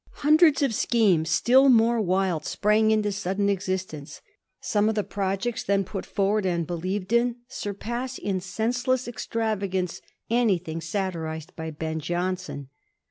Hundreds of schemes, still more wild, sprang into sudden existence. Some of the projects then put forward, and believed in, surpass in senseless extrava gance anything satirised by Ben Jonson.